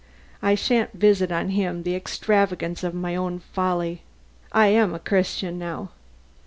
I shan't visit on him the extravagance of my own folly. I am a Christian now."